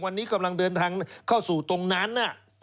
วันนี้กำลังเดินทางเข้าสู่ตรงนั้น